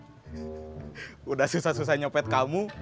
sudah susah susah nyopet kamu